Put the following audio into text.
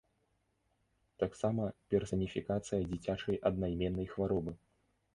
Таксама персаніфікацыя дзіцячай аднаіменнай хваробы.